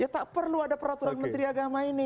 tak perlu ada peraturan menteri agama ini